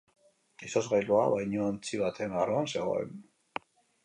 Izozkailua bainuontzi baten barruan zegoen.